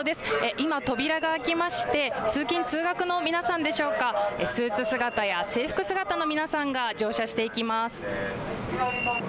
今、扉が開きまして通勤通学の皆さんでしょうか、スーツ姿や制服姿の皆さんが乗車していきます。